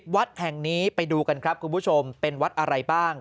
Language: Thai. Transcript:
วัดแห่งนี้ไปดูกันครับคุณผู้ชมเป็นวัดอะไรบ้าง